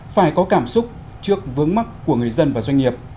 phải có cảm xúc trước vướng mắt của người dân và doanh nghiệp